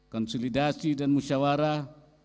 konsolidasi dan musyawarah